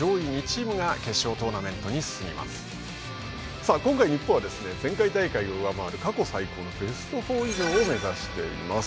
さあ今回日本はですね前回大会を上回る過去最高のベスト４以上を目指しています。